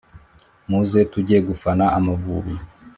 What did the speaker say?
Muze tujye gufana amavubi